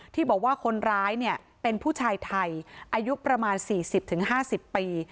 ที่บอกว่าคนร้ายเป็นผู้ชายไทยอายุประมาณ๔๐๕๐ปี